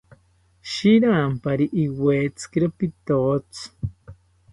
Shiranpari iwetzikiro pitotzi